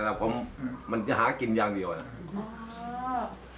เพราะว่ายามันหากินอย่างเดียว